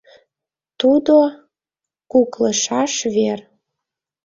Тудо — куклышаш вер.